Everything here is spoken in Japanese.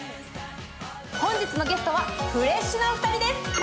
本日のゲストはフレッシュなお二人です。